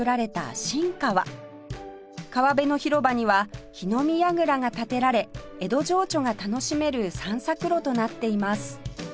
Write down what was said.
川辺の広場には火の見櫓が建てられ江戸情緒が楽しめる散策路となっています